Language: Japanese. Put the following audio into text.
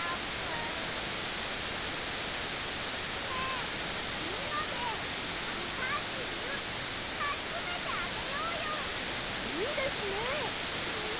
ねえみんなであさつゆあつめてあげようよ！